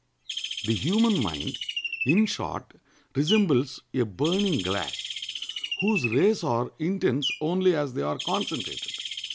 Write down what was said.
The human mind, in short, resembles a burning glass, whose rays are intense only as they are concentrated.